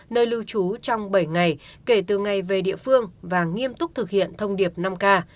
nơi lưu trú trong bảy ngày kể từ ngày về địa phương và nghiêm túc thực hiện thông điệp năm k